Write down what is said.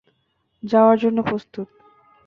যাওয়ার জন্য প্রস্তুত।